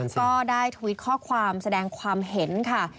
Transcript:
ก็ได้ทวิตข้อความแสดงความเห็นค่ะ